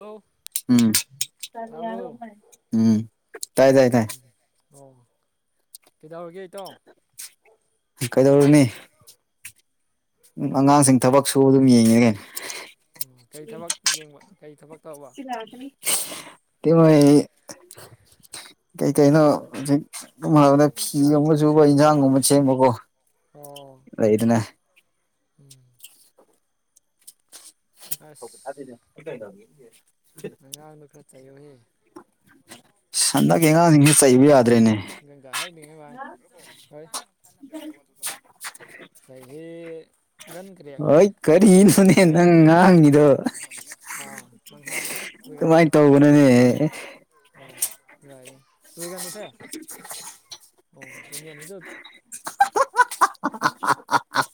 ꯑꯣ ꯎꯝ ꯎꯝ ꯇꯥꯏ ꯇꯥꯏ ꯇꯥꯏ ꯑꯣ ꯀꯩꯗꯧꯔꯤꯒꯦ? ꯀꯩꯗꯧꯔꯨꯅꯤ ꯎꯝ ꯑꯉꯥꯡꯁꯤꯡ ꯊꯕꯛ ꯁꯨꯕ ꯑꯗꯨꯝ ꯌꯦꯡꯉꯤꯅꯤ ꯀꯩꯅꯣ꯫ ꯑꯣ ꯀꯔꯤ ꯊꯕꯛ ꯌꯦꯡꯕ ꯀꯔꯤ ꯊꯕꯛ ꯇꯧꯕ꯫ ꯇꯤꯃꯣꯏ ꯀꯩ ꯀꯩꯩꯅꯣ ꯍꯧꯖꯤꯛ ꯈꯣꯏꯃꯥꯗ ꯐꯤꯒꯨꯝꯕ ꯆꯨꯕ ꯏꯟꯖꯥꯡꯒꯨꯝꯕ ꯁꯦꯝꯕꯀꯣ ꯑꯣ ꯂꯩꯗꯅ ꯎꯝ ꯑꯁ ꯥꯁꯤꯁꯦ ꯁꯤ ꯀꯩꯅꯣꯒꯤ ꯁꯦ ꯑꯉꯥꯡꯗꯣ ꯈꯔ ꯆꯩꯌꯨꯍꯦ ꯑꯁ ꯍꯟꯗꯛꯀꯤ ꯑꯉꯥꯡꯁꯤꯡꯁꯤ ꯆꯩꯕ ꯌꯗꯔꯦ ꯅꯦ [unintelligible] ꯍꯣꯏ ꯆꯍꯤ ꯀꯔꯤꯅꯣꯅꯦ ꯅꯪ ꯉꯥꯡꯉꯤꯗꯣ [unintelligible] ꯑꯗꯨꯃꯥꯏ ꯇꯧꯒꯅꯨ ꯅꯦꯍꯦ [unintelligible] [unintelligible]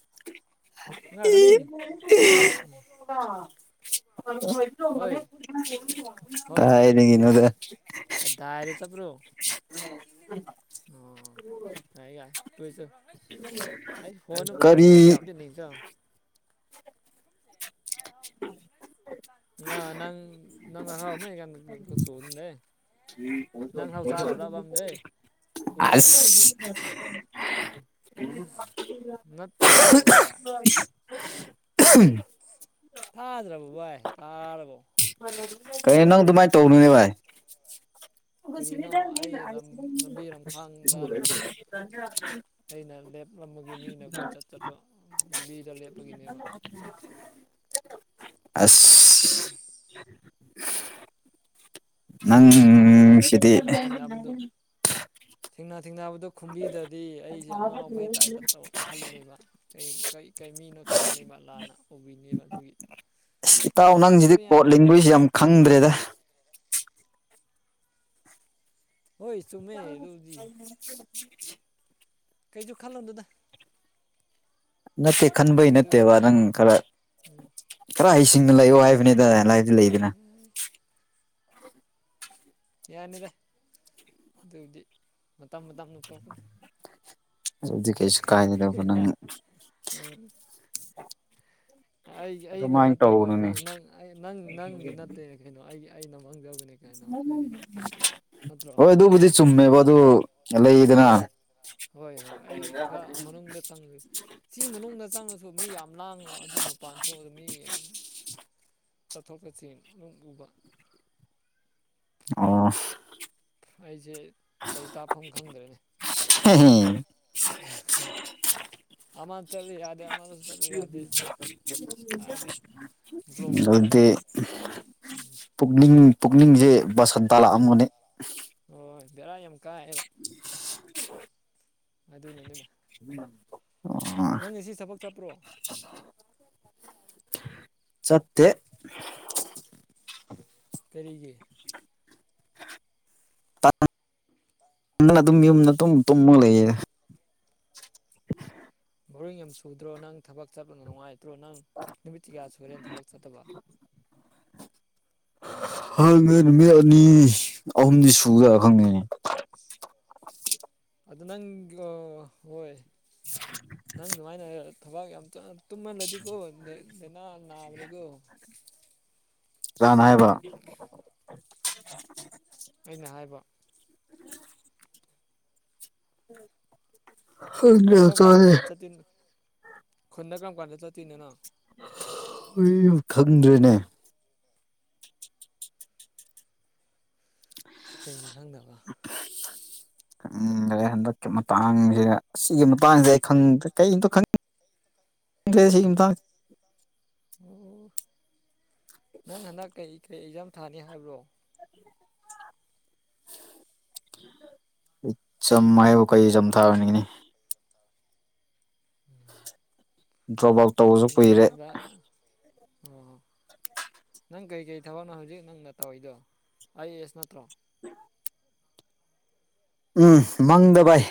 ꯉꯥꯒꯅꯤ ꯍꯣꯏ [unintelligible] ꯀꯥꯏꯗꯒꯤꯅꯣꯗ ꯀꯥꯏꯗ ꯆꯠꯄ꯭ꯔꯣ [unintelligible] ꯑꯩ ꯐꯣꯟ ꯀꯔꯤ [unintelligible] [unintelligible] ꯅꯪ ꯅꯍꯥꯎ ꯆꯥꯔꯕ꯭ꯔꯕ ꯑꯝꯗꯦ ꯑꯁ ꯅꯠꯇ꯭ꯔꯣꯕ [unintelligible] [unintelligible] [unintelligible] ꯀꯩꯅꯣ ꯅꯪ ꯑꯗꯨꯃꯥꯏꯅ ꯇꯧꯅꯨꯅꯦ ꯚꯥꯏ ꯀꯔꯤꯅꯣ ꯑꯩ ꯂꯝꯕꯤ ꯂꯝꯈꯥꯡꯗ ꯑꯩꯅ ꯂꯦꯞꯂꯝꯕꯒꯤ ꯃꯤꯅ ꯑꯩꯈꯣꯏ ꯆꯠ ꯆꯠꯄ ꯂꯝꯕꯤꯗ ꯂꯦꯞꯄꯒꯤꯅꯦꯕ [unintelligible] ꯑꯁ ꯅꯪ ꯂꯝꯕꯤ ꯂꯝꯈꯥꯡꯗ ꯂꯩꯕꯒꯤ ꯁꯤꯗꯤ ꯊꯦꯡꯅꯥ ꯊꯦꯡꯅꯕꯗꯨ ꯊꯦꯡꯅꯥ ꯊꯦꯡꯅꯥꯕꯗꯣ ꯈꯨꯝꯕꯤꯗꯗꯤ ꯑꯩꯁꯦ ꯑꯉꯥꯎ ꯐꯩ ꯇꯥꯏꯇ ꯇꯧ ꯈꯜꯂꯅꯦ ꯀꯩ ꯀꯩ ꯀꯩ ꯃꯤꯅꯣ ꯈꯜꯂꯅꯦꯕ ꯂꯥꯟꯅ ꯎꯕꯤꯅꯦꯕ ꯑꯗꯨꯒꯤ ꯏꯇꯥꯎ ꯅꯪꯁꯤꯗꯤ ꯈꯨꯝꯗꯕꯁꯨ ꯀꯣꯠ ꯌꯥꯗꯕ ꯂꯤꯡꯒꯣꯏꯁ ꯌꯥꯝ ꯈꯪꯗ꯭ꯔꯦꯗ ꯍꯣꯏ ꯆꯨꯝꯃꯦ ꯑꯗꯨꯗꯤ [unintelligible] ꯀꯩꯁꯨ ꯈꯜꯂꯨꯅꯨꯗ ꯉꯁꯝ ꯈꯟꯕꯒꯤ ꯑꯗꯨꯕꯨꯗꯤ ꯅꯠꯇꯦꯕ ꯈꯟꯕꯩ ꯅꯪ ꯈꯔ ꯎꯝ ꯈꯔ ꯍꯩꯁꯤꯡꯅ ꯂꯩꯌꯣ ꯍꯥꯏꯕꯤꯅꯝꯗ ꯂꯩꯗꯅ ꯌꯥꯅꯤꯗ ꯑꯗꯨꯕꯨꯗꯤ ꯃꯇꯝ ꯃꯇꯝꯅ ꯄꯨꯔꯛꯀꯅꯤ ꯑꯗꯨꯗꯤ ꯀꯩꯁꯨ ꯀꯥꯏꯗꯅꯕ ꯅꯪꯅ ꯎꯝ ꯑꯩꯒꯤ ꯑꯩꯅ ꯑꯗꯨꯃꯥꯏꯅ ꯅꯠꯇꯦꯀꯣ ꯇꯧꯒꯅꯨꯅꯦ ꯅꯪ ꯅꯪ ꯅꯪ ꯅꯪꯒꯤ ꯅꯠꯇꯦ ꯀꯩꯅꯣ ꯑꯩꯒꯤ ꯑꯩꯅ ꯃꯥꯡꯖꯕꯅꯦ ꯀꯩꯅꯣ ꯑꯗꯨꯗꯤ ꯅꯠꯇ꯭ꯔꯣ ꯍꯣꯏ ꯑꯗꯨꯕꯨꯗꯤ ꯆꯨꯝꯃꯦꯕ ꯑꯗꯨ ꯅꯠꯇ꯭ꯔꯣ ꯑꯣ ꯂꯩꯗꯅ ꯍꯣꯏ ꯍꯣꯏ ꯑꯩ ꯈꯔ ꯃꯅꯨꯡꯗ ꯆꯪꯉꯦ ꯁꯤ ꯃꯅꯨꯡꯗ ꯆꯪꯉꯁꯨ ꯃꯤ ꯌꯥꯝ ꯂꯥꯡꯕ ꯑꯗꯨꯏ ꯃꯄꯥꯟ ꯊꯣꯛꯑꯅꯤ ꯃꯤ ꯌꯥꯝ ꯆꯠꯊꯣꯛ ꯆꯠꯁꯤꯟ ꯑꯗꯨꯝ ꯎꯕ ꯑꯣ ꯑꯩꯁꯦ ꯂꯩꯇꯥꯐꯝ ꯈꯪꯗ꯭ꯔꯦꯅꯦ [unintelligible] ꯑꯃ ꯆꯠꯂꯤ ꯌꯥꯗꯦ ꯑꯃ ꯍꯥꯏꯗꯤ ꯕ꯭ꯂꯣꯛ [unintelligible] ꯉꯥꯛꯇ ꯑꯗꯨꯗꯤ [unintelligible] ꯄꯨꯛꯅꯤꯡ ꯄꯨꯛꯅꯤꯡꯖꯦ ꯕꯥꯁꯟꯇ ꯂꯥꯛꯑꯝꯒꯅꯤ ꯑꯣꯏ ꯕꯦꯔꯥ ꯌꯥꯝ ꯀꯥꯏꯌꯦꯕ [inaudible] ꯑꯗꯨꯅꯅꯦꯗ [inaudible] [unintelligible] ꯅꯪ ꯑꯁꯤ ꯊꯕꯛ ꯆꯠꯄ꯭ꯔꯣ ꯆꯠꯇꯦ ꯀꯔꯤꯒꯤ ꯇꯟ ꯇꯟꯗꯅ ꯑꯗꯨꯝ ꯌꯨꯝꯗ ꯇꯨꯝ ꯇꯨꯝꯃꯒ ꯂꯩꯌꯦ ꯕꯣꯔꯤꯡ ꯌꯥꯝ ꯆꯨꯗ꯭ꯔꯣ ꯅꯪ ꯊꯕꯛ ꯆꯠꯄꯅꯥ ꯅꯨꯡꯉꯥꯏꯇ꯭ꯔꯣ ꯅꯪ ꯅꯨꯃꯤꯠ ꯀꯌꯥ ꯁꯨꯔꯦ ꯊꯕꯛ ꯆꯠꯇꯕ ꯈꯪꯗꯦ ꯅꯨꯃꯤꯠ ꯑꯅꯤ ꯑꯍꯨꯝꯗꯤ ꯁꯨꯖꯥꯂꯥ ꯈꯪꯗꯦꯅꯦ ꯑꯗꯨ ꯅꯪꯒ꯭ꯂꯣ ꯍꯣꯏ ꯅꯪ ꯑꯗꯨꯃꯥꯏꯅ ꯊꯕꯥꯛ ꯌꯥꯝ ꯇꯝ ꯇꯨꯝꯃꯜꯂꯗꯤꯀꯣ ꯂꯩꯅꯥ ꯅꯥꯕꯅꯤꯒꯣ ꯀꯅꯥꯅ ꯍꯥꯏꯕ [unintelligible] ꯑꯩꯅ ꯍꯥꯏꯕ ꯈꯪꯗꯦ ꯅꯪ ꯀꯔꯝ ꯍꯛꯆꯥꯡꯖꯦ [unintelligible] ꯈꯨꯟꯗ ꯀꯔꯝ ꯀꯥꯟꯗ ꯆꯠꯇꯣꯏꯅꯣ ꯅꯪ [unintelligible] ꯈꯪꯗ꯭ꯔꯦꯅꯦ ꯀꯩꯒꯤ ꯈꯪꯗꯕ ꯈꯪꯗꯔꯦ ꯍꯟꯗꯛꯀꯤ ꯃꯇꯥꯡꯖꯦ ꯁꯤꯒꯤ ꯃꯇꯥꯡꯖꯦ ꯈꯪꯗ꯭ꯔꯦ ꯀꯔꯤꯝꯇ ꯈꯟꯗ꯭ꯔꯦ ꯁꯤ ꯃꯇꯥꯡꯖꯦ ꯑꯣ ꯅꯪ ꯍꯟꯗꯛ ꯀꯩ ꯀꯔꯤ ꯑꯦꯛꯖꯥꯝ ꯊꯥꯅꯤ ꯍꯥꯏꯕ꯭ꯔꯣ ꯑꯦꯛꯖꯥꯝ ꯍꯥꯏꯕꯨ ꯀꯩ ꯑꯦꯖꯥꯝ ꯊꯥꯔꯨꯅꯤꯒꯤꯅꯤ [unintelligible] ꯗ꯭ꯔꯣꯞ ꯑꯥꯎꯠ ꯇꯧꯕꯁꯨ ꯀꯨꯏꯔꯦ ꯑꯣ ꯍꯣ ꯅꯪ ꯀꯔꯤ ꯀꯩ ꯊꯕꯛꯅꯣ ꯍꯧꯖꯤꯛ ꯅꯪꯅ ꯇꯧꯔꯤꯗꯣ ꯑꯥꯏ ꯑꯦꯁ ꯅꯠꯇ꯭ꯔꯣ ꯎꯝ ꯃꯪꯗ ꯚꯥꯏ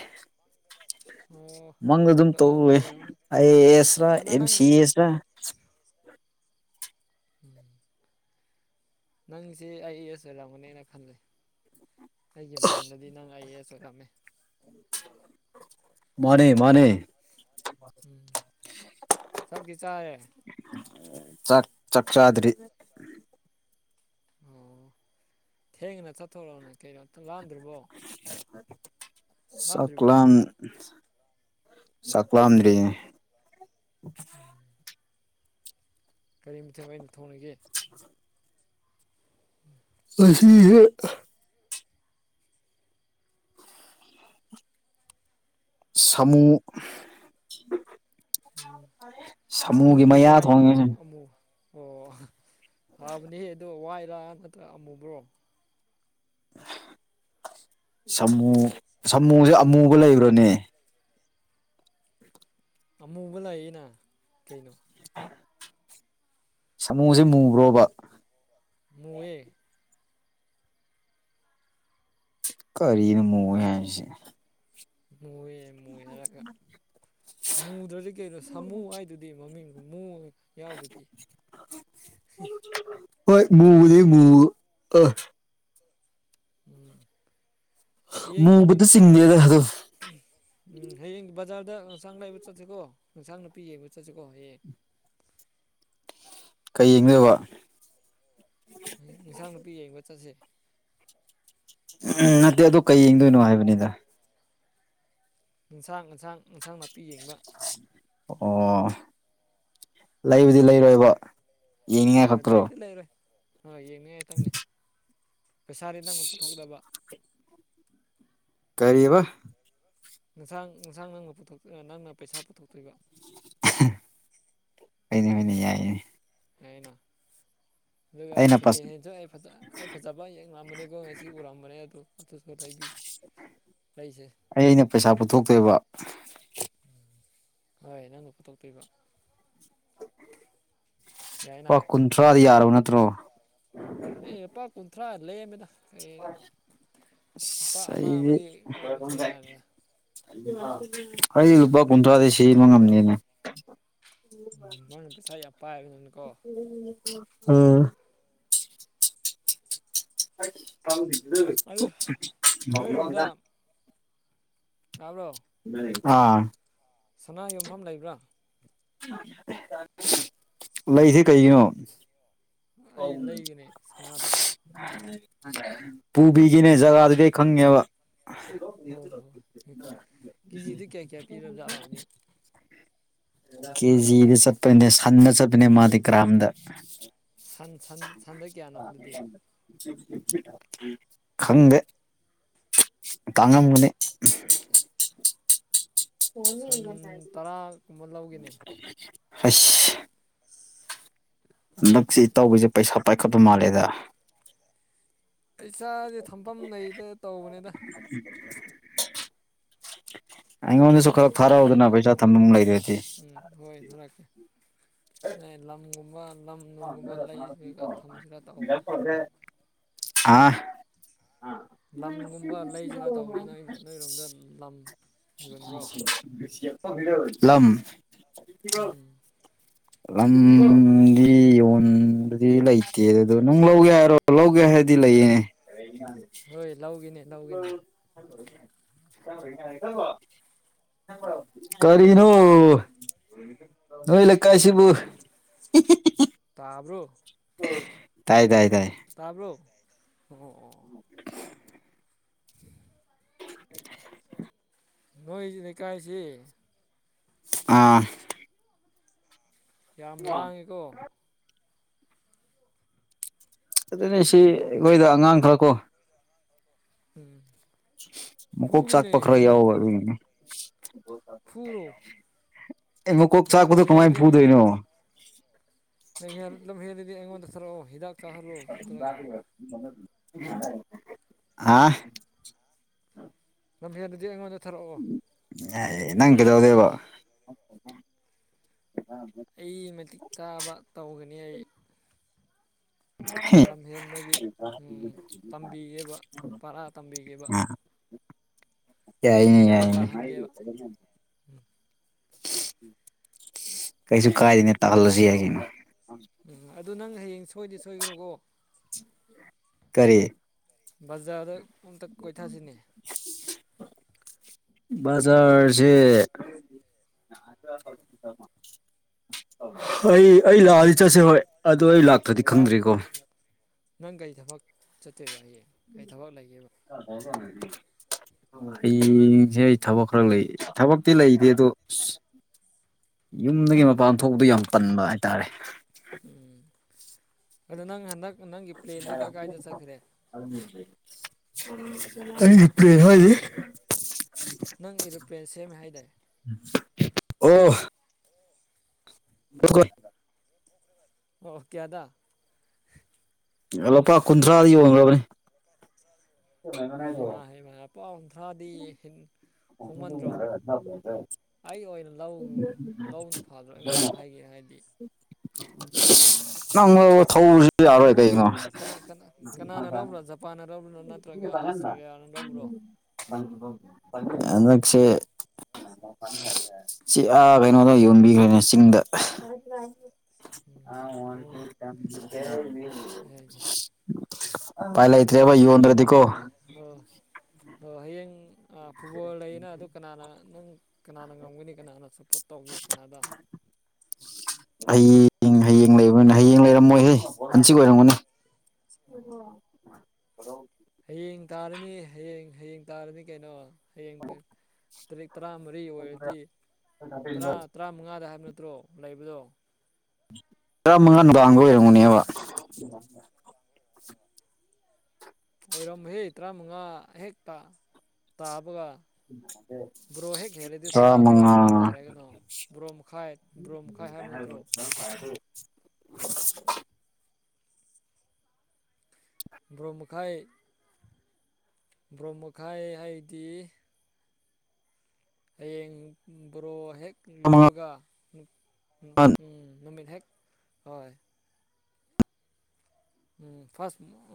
ꯑꯣ ꯃꯪꯗ ꯑꯗꯨꯝ ꯑꯣ ꯇꯧꯋꯦ ꯑꯣꯏꯔꯝꯅꯤ ꯑꯥꯏ ꯑꯦ ꯑꯦꯁ ꯔꯥ ꯑꯗꯨꯅ ꯑꯦꯝ ꯅꯪ ꯁꯤ ꯑꯦꯁ ꯔꯥ ꯎꯝ ꯅꯪꯁꯤ ꯑꯥꯏ ꯑꯦ ꯑꯦꯁ ꯑꯣꯏꯔꯝꯒꯅꯦꯅ ꯈꯟꯂꯦ ꯑꯩꯒꯤ ꯃꯪꯗꯗꯤ ꯅꯪ ꯑꯥꯏ ꯑꯦ ꯑꯦꯁ ꯑꯣꯏꯔꯝꯃꯦ ꯃꯥꯅꯦ ꯃꯥꯅꯦ ꯆꯥꯛꯇꯤ ꯆꯥꯔꯦ ꯆꯥꯛ ꯆꯥꯛ ꯆꯥꯗ꯭ꯔꯤ ꯑꯣ ꯊꯦꯡꯅ ꯆꯥꯊꯣꯔꯣꯅꯦ ꯀꯩꯅꯣ ꯂꯥꯝꯗ꯭ꯔꯤꯕꯣ ꯆꯥꯛ ꯂꯥꯝ ꯆꯥꯛ ꯂꯥꯝꯗ꯭ꯔꯤꯅꯦ [unintelligible] ꯀꯔꯤ ꯃꯊꯦꯜ ꯑꯣꯏꯅ ꯊꯣꯡꯂꯒꯦ ꯉꯁꯤꯖꯦ ꯁꯃꯨ ꯎꯝ ꯁꯥꯃꯨꯒꯤ ꯁꯥꯃꯨꯗꯨ ꯃꯌꯥ ꯋꯥꯏꯔ ꯊꯣꯡꯉꯦ ꯑꯃꯨꯛ ꯑꯃꯨ ꯑꯣ ꯐꯕꯅꯦꯍ ꯑꯗꯣ ꯋꯥꯏꯔꯥ ꯅꯠꯇ꯭ꯔꯒ ꯑꯃꯨꯕ꯭ꯔꯣ ꯁꯥꯃꯨ ꯁꯥꯃꯨꯁꯦ ꯑꯃꯨꯕ ꯂꯩꯕ꯭ꯔꯥꯅꯦ ꯑꯃꯨꯕ ꯂꯥꯛꯌꯦꯅ ꯀꯩꯅꯣ ꯁꯥꯃꯨꯁꯦ ꯃꯨꯕ꯭ꯔꯣꯕ ꯃꯨꯏꯌꯦ ꯀꯔꯤꯅꯣ ꯃꯨꯌꯦ ꯍꯥꯏꯁꯦ ꯃꯨꯌꯦ ꯃꯨꯏ ꯍꯥꯏꯔꯒ ꯃꯨꯗ꯭ꯔꯗꯤ ꯀꯩꯅꯣ ꯁꯥꯃꯨ ꯍꯥꯏ ꯑꯗꯨꯗꯤ ꯃꯃꯤꯡꯖꯨ ꯃꯨ ꯌꯥꯎꯋꯤꯗꯨꯗꯤ ꯍꯣꯏ ꯃꯨꯗꯤ ꯃꯨ ꯑ ꯎꯝ ꯌꯦꯡ ꯃꯨꯕꯗ ꯆꯤꯡꯗꯦꯗ ꯑꯗꯣ ꯎꯝ ꯍꯌꯦꯡ ꯕꯖꯥꯔꯗ ꯏꯟꯁꯥꯡ ꯂꯩꯥꯕ ꯆꯠꯁꯤꯀꯣ ꯏꯟꯁꯥꯡ ꯅꯥꯄꯤ ꯌꯦꯡꯕ ꯆꯠꯁꯤꯀꯣ ꯍꯌꯦꯡ ꯀꯩ ꯌꯦꯡꯅꯕ ꯏꯟꯁꯥꯡ ꯅꯨꯄꯤ ꯌꯦꯡꯕ ꯆꯠꯁꯦ ꯎꯝ ꯅꯠꯇꯦ ꯑꯗꯨ ꯀꯩ ꯌꯦꯡꯗꯣꯏꯅꯣ ꯍꯥꯏꯕꯅꯤꯗ ꯏꯟꯁꯥꯡ ꯏꯟꯁꯥꯡ ꯏꯟꯁꯥꯡ ꯅꯥꯄꯤ ꯌꯦꯡꯕ ꯑꯣ ꯂꯩꯕꯗꯤ ꯂꯩꯔꯣꯏꯕ ꯌꯦꯡꯅꯤꯡꯉꯥꯏ ꯍꯣꯏ ꯈꯛꯇ꯭ꯔꯣ ꯂꯩꯕꯨꯗꯤ ꯂꯩꯔꯣꯏ ꯍꯣꯏ ꯌꯦꯡꯅꯤꯡꯉꯥꯏꯇꯪꯅꯤ ꯄꯩꯁꯥꯗꯤ ꯅꯪꯅ ꯄꯨꯊꯣꯛꯇꯕ ꯀꯔꯤꯑꯕ ꯏꯟꯁꯥꯡ ꯏꯟꯁꯥꯡ ꯅꯪꯅ ꯄꯨꯊꯣꯛꯇꯣ ꯅꯪꯅ ꯄꯩꯁꯥ ꯄꯨꯊꯣꯛꯇꯣꯏꯕ ꯍꯣꯏꯅꯦ ꯍꯣꯏꯅꯦ ꯌꯥꯏꯌꯦ ꯀꯩꯅꯣ ꯑꯗꯨꯒ ꯑꯩꯅ ꯁꯦꯀꯦꯟꯍꯦꯟꯁꯨ ꯑꯩ ꯐꯖ ꯑꯩ ꯐꯖꯕ ꯌꯦꯡꯉꯝꯕꯅꯦꯀꯣ ꯉꯁꯤ ꯎꯔꯝꯕꯅꯦ ꯑꯗꯣ ꯑꯗꯨꯁꯨ ꯂꯩꯕꯤ ꯂꯩꯁꯦ ꯑꯩꯅ ꯄꯩꯁꯥ ꯄꯨꯊꯣꯛꯇꯣꯏꯕ ꯍꯣꯏ ꯅꯪꯅ ꯄꯨꯊꯣꯛꯇꯣꯏꯕ ꯌꯥꯏꯅ ꯂꯨꯄꯥ ꯀꯨꯟꯊ꯭ꯔꯥꯗꯤ ꯌꯥꯔꯕ ꯅꯠꯇ꯭ꯔꯣ ꯑꯦ ꯂꯄꯥ ꯀꯨꯟꯊ꯭ꯔꯥ ꯂꯦꯝꯃꯦꯗ ꯑꯩ ꯂꯨꯄꯥ ꯑꯁ ꯑꯃ ꯑꯩꯗꯤ ꯃꯔꯤ ꯑꯣꯏꯔꯁꯨ ꯌꯥꯔꯦ ꯑꯩ ꯂꯨꯄꯥ ꯀꯨꯟꯊ꯭ꯔꯥꯗꯤ ꯁꯤꯕ ꯉꯝꯅꯦꯅꯦ ꯎꯝ ꯅꯪꯅ ꯄꯩꯁꯥ ꯌꯥꯝ ꯄꯥꯏꯕꯅꯤꯅꯀꯣ ꯎꯝ ꯑꯗꯨ ꯅꯣꯏꯔꯣꯝꯗ [unintelligible] ꯇꯥꯕ꯭ꯔꯣ ꯑꯥ ꯁꯅꯥ ꯌꯣꯟꯐꯝ ꯂꯩꯕ꯭ꯔꯥ ꯂꯩꯁꯦ ꯀꯩꯒꯤꯅꯣ ꯑꯩ ꯂꯩꯒꯦꯅꯦ ꯁꯅꯥꯗꯣ ꯄꯨꯚꯤꯒꯦꯅꯦ ꯖꯒꯥꯗꯨꯗꯤ ꯈꯪꯉꯦꯕ ꯍꯣꯏ ꯍꯣꯏ ꯀꯦꯖꯤꯗ ꯀꯌꯥ ꯀꯌꯥ ꯄꯤꯔꯕꯖꯥꯅꯣ ꯍꯧꯖꯤꯛ ꯁꯅꯥꯗꯣ ꯀꯦꯖꯤꯗ ꯆꯠꯄ꯭ꯔꯅꯦ ꯁꯟꯗ ꯆꯠꯄꯅꯦ ꯃꯥꯗꯤ ꯒ꯭ꯔꯥꯝꯗ ꯁꯟ ꯁꯟ ꯁꯟꯗ ꯀꯌꯥꯅꯣ ꯑꯗꯨꯗꯤ ꯈꯪꯗꯦ ꯇꯥꯡꯉꯝꯒꯅꯤ ꯁꯟ ꯇꯔꯥ ꯀꯨꯝꯕ ꯂꯧꯒꯦꯅꯤ ꯑꯁ ꯍꯟꯗꯛꯁꯤ ꯏꯇꯥꯎꯕꯤꯁꯦ ꯄꯩꯁꯥ ꯄꯥꯏꯈꯠꯄ ꯃꯥꯜꯂꯦꯗ ꯄꯩꯁꯥꯖꯦ ꯊꯝꯐꯝ ꯂꯩꯇꯦ ꯇꯧꯕꯅꯤꯗ [unintelligible] ꯑꯩꯉꯣꯟꯗꯁꯨ ꯈꯔ ꯁꯅꯥ ꯊꯥꯔꯛꯎꯗ ꯑꯣꯏꯅ ꯄꯩꯁꯥ ꯊꯝꯒꯦꯗ ꯊꯝꯐꯝ ꯂꯩꯗ꯭ꯔꯗꯤ ꯎꯝ ꯍꯣꯏ ꯊꯔꯛꯀꯦ ꯅꯣꯏ ꯂꯝꯒꯨꯝꯕ ꯂꯝ ꯅꯨꯡꯒꯨꯝꯕ ꯂꯩꯔꯒ ꯊꯝꯁꯤꯒꯥ ꯇꯧꯕꯅꯦ ꯍꯥꯥ ꯂꯝꯒꯨꯝꯕ ꯂꯩꯁꯤꯔꯥ ꯇꯧꯕꯅꯦ ꯅꯣꯏ ꯅꯣꯏꯔꯣꯝꯗ ꯂꯝ ꯌꯣꯟꯕ꯭ꯔꯣ ꯂꯝ ꯎꯝ ꯂꯝꯗꯤ ꯌꯣꯟꯕꯗꯤ ꯂꯩꯇꯦ ꯑꯗꯨꯅ ꯅꯪ ꯂꯧꯒꯦ ꯍꯥꯏꯔꯣ ꯂꯧꯒꯦ ꯍꯥꯏꯔꯗꯤ ꯂꯩꯌꯦ ꯍꯣꯏ ꯂꯧꯒꯦꯅꯦ ꯂꯧꯒꯦꯅꯦ [inaudible] [unintelligible] ꯀꯔꯤꯅꯣ ꯅꯣꯏ ꯂꯩꯀꯥꯏꯁꯤꯕꯨ ꯇꯥꯕ꯭ꯔꯣ ꯇꯥꯏ ꯇꯥꯏ ꯇꯥꯏ ꯇꯥꯔꯕ꯭ꯔꯣ ꯑꯣ ꯑꯣ ꯑꯩꯈꯣꯏ ꯂꯩꯀꯥꯏꯁꯦ ꯑꯥ ꯌꯥꯝ ꯂꯥꯡꯉꯦꯀꯣ ꯑꯗꯨꯅꯦꯁꯤ ꯑꯩꯈꯣꯏꯗ ꯑꯉꯥꯡ ꯈꯔꯀꯣ ꯎꯝ ꯃꯀꯣꯛ ꯐꯨꯔꯨꯅꯦ ꯆꯥꯥꯛꯄ ꯈꯔ ꯀꯩꯅꯣ ꯌꯥꯎꯗꯕ ꯑꯗꯨꯒꯤꯅꯦ ꯐꯨꯔꯣ ꯑꯦ ꯃꯀꯣꯛ ꯆꯥꯛꯄꯗꯣ ꯀꯃꯥꯏꯅ ꯂꯝꯍꯦꯜꯂꯗꯤ ꯐꯨꯗꯣꯏꯅꯣ ꯂꯝꯍꯦꯜ ꯂꯝꯍꯦꯜꯗꯗꯤ ꯑꯩꯉꯣꯟꯗ ꯆꯠꯂꯣ ꯍꯤꯗꯥꯛ ꯆꯥꯍꯜꯂꯣ ꯅꯠꯇꯔꯒ ꯑꯥ ꯂꯝꯍꯦꯜꯗꯗꯤ ꯑꯩꯉꯣꯟꯗ ꯆꯠꯂꯛꯑꯣ ꯑꯦ ꯅꯪ ꯀꯩꯗꯧꯗꯣꯏꯕ ꯑꯩ ꯃꯇꯤꯛ ꯆꯥꯕ ꯇꯧꯒꯅꯤ ꯑꯩ ꯂꯝꯍꯦꯟꯕꯒꯤ ꯎꯝ ꯇꯝꯕꯤꯒꯦꯕ ꯄꯔꯥ ꯇꯝꯕꯤꯒꯦꯕ [inaudible] ꯑꯥ ꯌꯥꯏꯅꯦ ꯒ꯭ꯌꯥꯟ ꯌꯥꯏꯅꯦ ꯇꯥꯍꯟꯒꯦꯕ ꯀꯩꯁꯨ ꯀꯥꯏꯗꯦꯅꯦ ꯇꯧꯍꯜꯂꯁꯨ ꯌꯥꯏ ꯀꯩꯅꯣ ꯎꯝ ꯑꯗꯨ ꯅꯪ ꯍꯌꯦꯡ ꯁꯣꯏꯗꯤ ꯁꯣꯏꯒꯅꯨꯀꯣ ꯀꯔꯤ ꯕꯖꯥꯔꯗ ꯑꯝꯇ ꯀꯣꯏꯊꯁꯤꯅꯦ ꯕꯖꯥꯔꯖꯦ [inaudible] ꯑꯩ ꯑꯩ ꯂꯥꯛꯑꯗꯤ ꯆꯠꯁꯦ ꯍꯣꯏ ꯑꯗꯣ ꯑꯩ ꯂꯥꯛꯇ꯭ꯔꯗꯤ ꯈꯪꯗ꯭ꯔꯤꯀꯣ ꯅꯪ ꯀꯔꯤ ꯊꯕꯛ ꯆꯠꯇꯣꯏꯕ ꯍꯌꯦꯡ ꯀꯔꯤ ꯊꯕꯛ ꯂꯩꯒꯦꯕ [unintelligible] [inaudible] ꯍꯌꯦꯡꯁꯦ ꯑꯩ ꯊꯕꯛ ꯈꯔ ꯂꯩ ꯊꯕꯛꯇꯤ ꯂꯩꯇꯦ ꯑꯗꯣ ꯑꯁ꯫ ꯌꯨꯝꯗꯒꯤ ꯃꯄꯥꯟ ꯊꯣꯛꯄꯗ ꯌꯥꯝ ꯇꯟꯕ ꯍꯥꯏꯇꯥꯔꯦ꯫ ꯎꯝ ꯑꯗꯨ ꯅꯪ ꯍꯟꯗꯛ ꯅꯪꯒꯤ ꯄ꯭ꯂꯦꯟꯗꯤ ꯀ ꯀꯥꯏꯗ ꯆꯠꯈ꯭ꯔꯦ꯫ ꯑꯩꯒꯤ ꯄ꯭ꯂꯦꯟ ꯍꯥꯏꯗꯤ꯫ ꯅꯪ ꯏꯔꯣꯄ꯭ꯂꯦꯟ ꯁꯦꯝꯃꯦ ꯍꯥꯏꯗꯥꯏ꯫ ꯑꯣ꯫ [inaudible] ꯑꯣ ꯀꯌꯥꯗ꯫ ꯂꯨꯄꯥ ꯀꯨꯟꯊ꯭ꯔꯥꯗ ꯌꯣꯟꯈ꯭ꯔꯕꯅꯦ꯫ ꯍꯩꯃꯥ ꯍꯩꯃꯥ ꯂꯨꯄꯥ ꯀꯨꯟꯊ꯭ꯔꯥꯗꯤ ꯍꯤꯟ [inaudible] ꯑꯩ ꯑꯣꯏꯅ ꯂꯧ ꯂꯧꯕꯅ ꯐꯗ꯭ꯔꯣ ꯑꯩꯉꯣꯟꯗ ꯍꯥꯏꯒꯦ ꯍꯥꯏꯗꯦ꯫ ꯅꯪ ꯂꯧꯕ ꯊꯧꯕꯁꯨ ꯑꯗꯨ ꯌꯥꯔꯣꯏ ꯃꯣꯏ ꯀꯩꯅꯣ꯫ ꯄꯥꯟꯅꯅꯕ꯭ꯔꯣ ꯅꯠꯇ꯭ꯔꯒ ꯑꯁꯇꯔꯒ ꯌꯥꯟꯅ ꯂꯧꯕ꯭ꯔꯣ꯫ ꯍꯟꯗꯛꯁꯦ꯫ ꯁꯤ ꯑꯥ ꯀꯩꯅꯣꯗ ꯌꯣꯟꯕꯤꯈ꯭ꯔꯦꯅꯦ ꯆꯤꯡꯗ꯫ [inaudible] ꯑꯣ ꯌꯥꯏꯅꯦ ꯎꯄꯥꯏ ꯂꯩ ꯑꯗꯣ ꯍꯌꯦꯡ ꯅꯪ ꯑꯣ ꯑꯣ ꯍꯌꯦꯡ ꯑ ꯐꯨꯠꯕꯣꯜ ꯂꯩꯌꯦꯅ ꯑꯗꯨ ꯀꯅꯥꯅ ꯅꯪ ꯀꯅꯥꯅ ꯉꯝꯒꯅꯤ ꯀꯅꯥꯅ ꯁꯞꯄꯣꯠ ꯇꯧꯒꯦ ꯀꯅꯥꯗ꯫ ꯍꯌꯦꯡ ꯍꯌꯦꯡ ꯂꯩꯕ꯭ꯔꯅꯦ ꯍꯌꯦꯡ ꯂꯩꯔꯝꯃꯣꯏꯍꯦ ꯍꯟꯆꯤꯛ ꯑꯣꯏꯔꯝꯒꯅꯤ꯫ [inaudible] [inaudible] ꯍꯌꯦꯡ ꯇꯥꯔꯅꯤ ꯍꯌꯦꯡ ꯍꯌꯦꯡ ꯇꯥꯔꯅꯤ ꯀꯩꯅꯣ ꯍꯌꯦꯡ ꯇ ꯇꯔꯤꯛ ꯇꯔꯥꯃꯔꯤ ꯑꯣꯏꯔꯗꯤ ꯇꯔꯥ ꯇꯔꯥꯃꯉꯥꯗ ꯍꯥꯏꯕ ꯅꯠꯇ꯭ꯔꯣ ꯂꯩꯕꯗꯣ꯫ ꯇꯔꯥꯃꯉꯥ ꯅꯨꯡꯗꯥꯡꯗ ꯑꯣꯏꯔꯝꯒꯅꯤꯕ꯫ [inaudible] ꯑꯣꯏꯔꯝꯃꯣꯏꯍꯦ ꯇ꯭ꯔꯥꯃꯉꯥ ꯍꯦꯛ ꯇꯥ ꯇꯥꯕꯒ꯫ [inaudible] ꯕ꯭ꯔꯣ ꯍꯦꯛ ꯍꯦꯜꯂꯗꯤ ꯇꯔꯥ ꯇꯔꯥꯃꯉꯥ ꯇꯥꯔꯦ ꯀꯩꯅꯣ ꯕ꯭ꯔꯣ ꯃꯈꯥꯏ ꯕ꯭ꯔꯣ ꯃꯈꯥꯏ ꯍꯥꯏꯕ ꯅꯠꯇ꯭ꯔꯣ꯫ [inaudible] ꯕ꯭ꯔꯣ ꯃꯈꯥꯏ ꯕ꯭ꯔꯣ ꯃꯈꯥꯏ ꯍꯥꯏꯗꯤ꯫ ꯍꯌꯦꯡ ꯕꯣꯔꯣ ꯍꯦꯛ ꯇꯔꯥꯃꯉꯥ ꯂꯣꯏꯕꯒ ꯅꯨ ꯎꯝ ꯎꯝ ꯅꯨꯃꯤꯠ ꯍꯦꯛ ꯍꯣꯏ꯫ ꯎꯝ ꯐꯥꯁ ꯃꯣ ꯑ